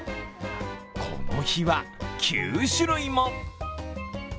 この日は９種類も。